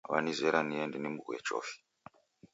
Wanizera niende nimghuye chofi.